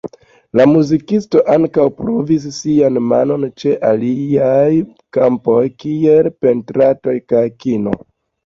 La muzikisto ankaŭ provis sian manon ĉe aliaj kampoj kiel pentrarto kaj kino.